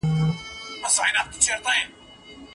بيرته صميمي فضاء په کور کي څنګه رامنځته کيږي؟